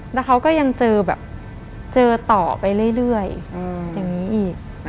แล้วเขาก็ยังเจอแบบเจอต่อไปเรื่อยอย่างนี้อีก